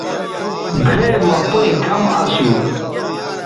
گھئے مہ پئیں کم اسُو۔